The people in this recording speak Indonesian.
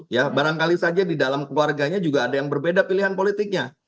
ya barangkali saja di dalam keluarganya juga ada yang berbeda pilihan politiknya